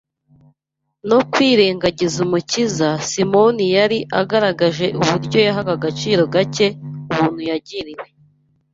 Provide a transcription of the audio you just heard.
no kwirengagiza Umukiza Simoni yari agaragaje uburyo yahaga agaciro gake ubuntu yagiriwe